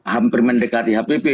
hampir mendekati hpp